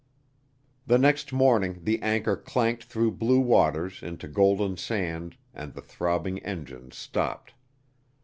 The next morning the anchor clanked through blue waters into golden sand and the throbbing engines stopped.